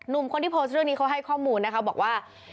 คนที่โพสต์เรื่องนี้เขาให้ข้อมูลนะคะบอกว่า